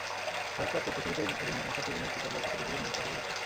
ভারতকে আটকাতে শুরুতেই অধিনায়ক মাশরাফি বিন মুর্তজা বলটা তুলে দিলেন মুস্তাফিজের হাতে।